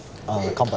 乾杯